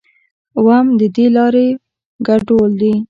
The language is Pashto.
اووم ددې لارو ګډول دي.